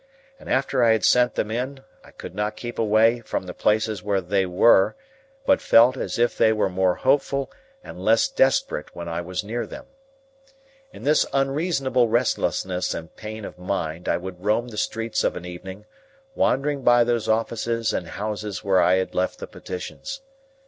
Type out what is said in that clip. And after I had sent them in, I could not keep away from the places where they were, but felt as if they were more hopeful and less desperate when I was near them. In this unreasonable restlessness and pain of mind I would roam the streets of an evening, wandering by those offices and houses where I had left the petitions.